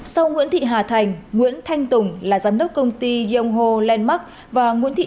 sau nguyễn thị hà thành nguyễn thanh tùng là giám đốc công ty yêu hồ landmark và nguyễn thị